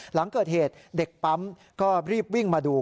หลังเกิดเหตุเด็กปั๊มก็รีบวิ่งมาดู